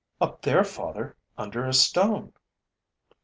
'Up there, father, under a stone.'